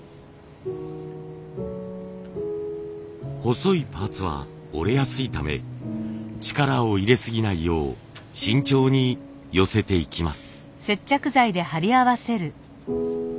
細いパーツは折れやすいため力を入れすぎないよう慎重に寄せていきます。